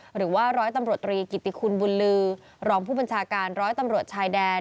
หรือว่าร้อยตำรวจตรีกิติคุณบุญลือรองผู้บัญชาการร้อยตำรวจชายแดน